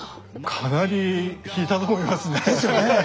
かなり引いたと思いますね。ですよね。